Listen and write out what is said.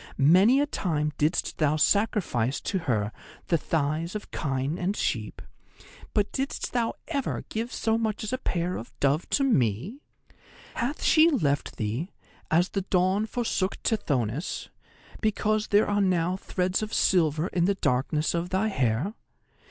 Many a time didst thou sacrifice to her the thighs of kine and sheep, but didst thou ever give so much as a pair of dove to me? Hath she left thee, as the Dawn forsook Tithonus, because there are now threads of silver in the darkness of thy hair?